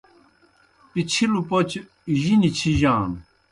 پِچِھلوْ پوْچوْ جِنیْ چِھجانوْ۔